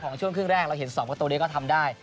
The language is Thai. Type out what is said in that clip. ของช่วงครึ่งแรกเราเห็นส้อมกับตัวเด็กก็ทำได้